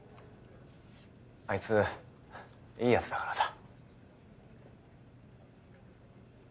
あいついい奴だからさ。